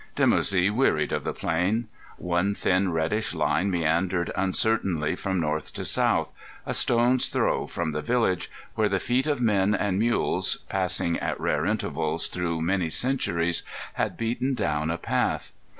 Dimoussi wearied of the plain. One thin, reddish line meandered uncertainly from north to south, a stone's throw from the village, where the feet of men and mules passing at rare intervals through many centuries had beaten down a path.